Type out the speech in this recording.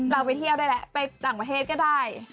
เราไปเที่ยวได้แล้วไปต่างประเทศก็ได้